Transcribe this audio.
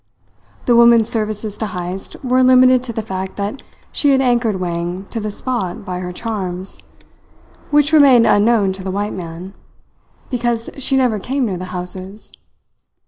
The woman's services to Heyst were limited to the fact that she had anchored Wang to the spot by her charms, which remained unknown to the white man, because she never came near the houses.